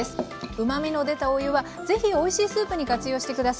うまみの出たお湯はぜひおいしいスープに活用して下さい。